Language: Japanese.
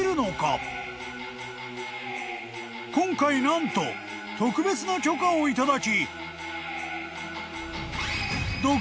［今回何と特別な許可をいただき］